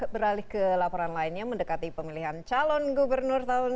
beralih ke laporan lainnya mendekati pemilihan calon gubernur tahun dua ribu sembilan belas